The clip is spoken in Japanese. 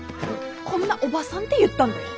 「こんなおばさん」って言ったんだよ？